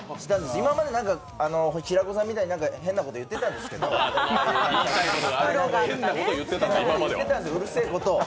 今まで平子さんみたいに、何か変なこと言ってたんですよ、うるせぇことを。